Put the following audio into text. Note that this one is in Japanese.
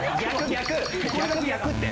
逆逆って。